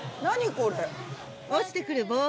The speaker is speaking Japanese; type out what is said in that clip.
これ。